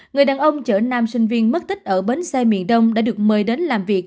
người đàn ông chở nam sinh viên mất tích ở bến xe miền đông đã được mời đến làm việc